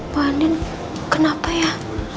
mbak andin kenapa ya